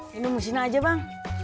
minum di sini aja bang